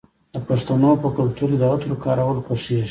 د پښتنو په کلتور کې د عطرو کارول خوښیږي.